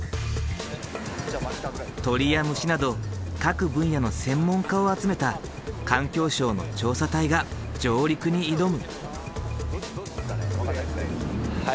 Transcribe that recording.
鳥や虫など各分野の専門家を集めた環境省の調査隊が上陸に挑む。